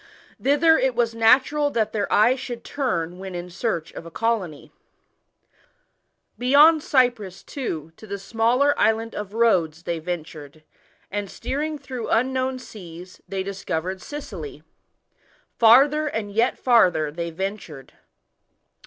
Thither iv was natural that their eyes should turn vhen in search of a colony. Beyond Cyprus, too, to the smaller island of Rhodes they ventured, and steering through un known seas, they discovered Sicily. Farther and yet farther they ventured.